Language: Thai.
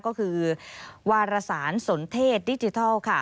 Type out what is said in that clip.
ก็คือวารสารสนเทศดิจิทัลค่ะ